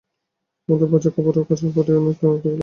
আমাকে বাজে খবরের কাগজ আর পাঠিও না, ও দেখলেই আমার গা আঁতকে ওঠে।